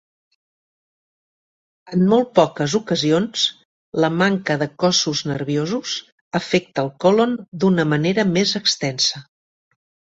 En molt poques ocasions, la manca de cossos nerviosos afecta el còlon d'una manera més extensa.